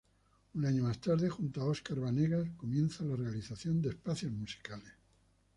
Un año más tarde, junto a Óscar Banegas, comienza la realización de espacios musicales.